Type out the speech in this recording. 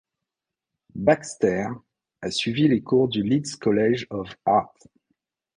Baxter a suivi les cours du Leeds College of Art.